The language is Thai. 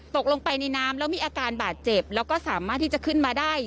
ตกลงไปในน้ำแล้วมีอาการบาดเจ็บแล้วก็สามารถที่จะขึ้นมาได้